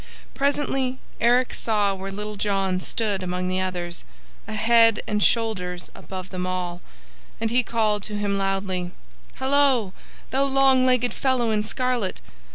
Presently Eric saw where Little John stood among the others, a head and shoulders above them all, and he called to him loudly, "Halloa, thou long legged fellow in scarlet!